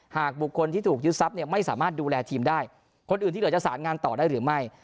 หากบุคคลที่ถูกยึดทรัพย์เนี่ยไม่สามารถดูแลทีมได้คนอื่นที่เหลือจะสารงานต่อได้หรือไม่